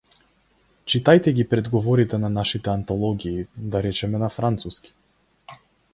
Читајте ги предговорите на нашите антологии, да речеме на француски.